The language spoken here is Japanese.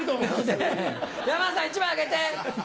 山田さん１枚あげて。